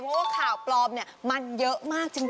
เพราะว่าข่าวปลอมเนี่ยมันเยอะมากจริง